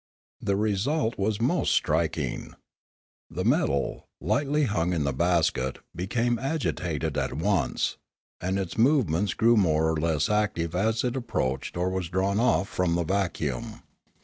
The result was most striking. The metal, lightly hung in the basket, became agitated at once, and its movements grew more or less active as it approached or was drawn off from the vacuum.